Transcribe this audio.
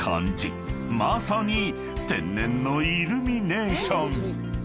［まさに天然のイルミネーション］